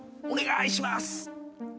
お願いします。